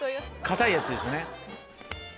硬いやつですね。